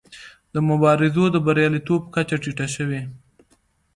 د مبارزو د بریالیتوب کچه ټیټه شوې.